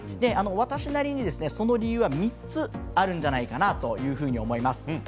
私なりにその理由は３つあるんじゃないかなと思います。